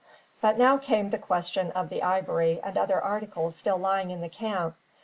But now came the question of the ivory and other articles still lying in the camp.